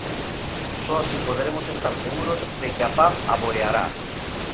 Só así poderemos estar seguros de que a paz aboiará.